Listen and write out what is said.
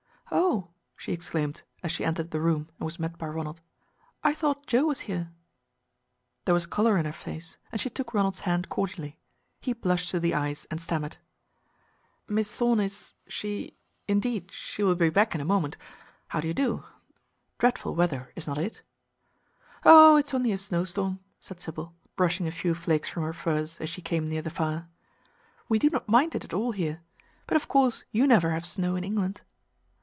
"Oh" she exclaimed, as she entered the room and was met by Ronald, "I thought Joe was here." There was color in her face, and she took Ronald's hand cordially. He blushed to the eyes, and stammered. "Miss Thorn is she indeed, she will be back in a moment. How do you do? Dreadful weather, is not it?" "Oh, it is only a snowstorm," said Sybil, brushing a few flakes from her furs as she came near the fire. "We do not mind it at all here. But of course you never have snow in England."